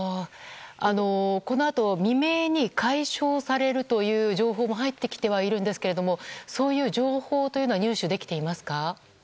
このあと未明に解消されるという情報も入ってきてるんですがそういう情報は入手できていますか？